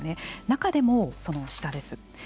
中でも、その下です。